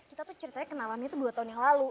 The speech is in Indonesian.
kita tuh ceritanya kenalannya tuh dua tahun yang lalu